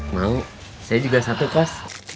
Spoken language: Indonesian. mau saya juga satu kos